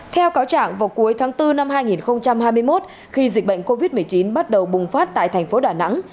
theo cáo chẳng vào cuối tháng bốn năm hai nghìn hai mươi một khi dịch bệnh covid một mươi chín bắt đầu bùng phát tại tp đà nẵng